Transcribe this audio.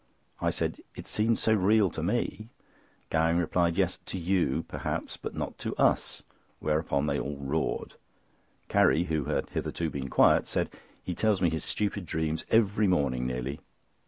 I said: "It seemed so real to me." Gowing replied: "Yes, to you perhaps, but not to us." Whereupon they all roared. Carrie, who had hitherto been quiet, said: "He tells me his stupid dreams every morning nearly."